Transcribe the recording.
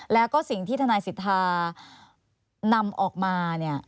แล้วก็สิ่งที่ทนายสิทธานำออกมาเนี่ย